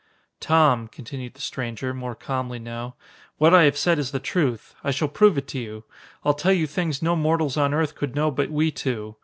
"Tom," continued the stranger, more calmly now, "what I have said is the truth. I shall prove it to you. I'll tell you things no mortals on earth could know but we two.